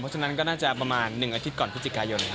เพราะฉะนั้นก็น่าจะประมาณ๑อาทิตย์ก่อนพฤศจิกายน